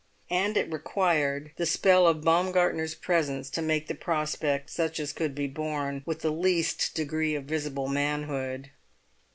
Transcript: And it required the spell of Baumgartner's presence to make the prospect such as could be borne with the least degree of visible manhood.